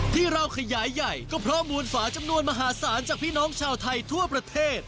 ที่เราขยายใหญ่ก็เพราะมูลฝาจำนวนมหาศาลจากพี่น้องชาวไทยทั่วประเทศ